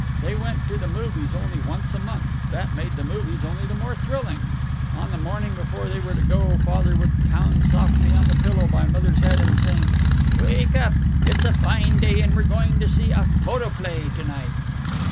They went to the movies only once a month that made the movies only the more thrilling! On the morning before they were to go Father would pound softly on the pillow by Mother's head and sing, "Wake up! It's a fine day and we're going to see a photoplay to night!"